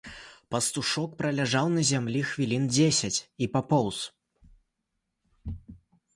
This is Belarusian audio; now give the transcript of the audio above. Пастушок праляжаў на зямлі хвілін дзесяць і папоўз.